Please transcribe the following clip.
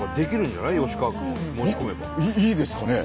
僕いいですかね？